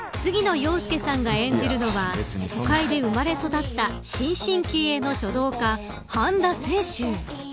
遥亮さんが演じるのは都会で生まれ育った新進気鋭の書道家半田清舟。